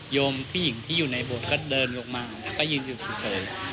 โยมผู้หญิงที่อยู่ในบทก็เดินลงมาก็ยืนอยู่สิเฉย